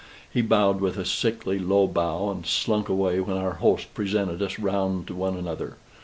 He bowed with a sickly low bow, and slunk away when our host presented us round to one another.